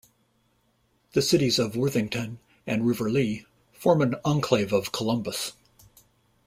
The cities of Worthington and Riverlea form an enclave of Columbus.